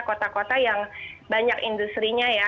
kota kota yang banyak industri nya ya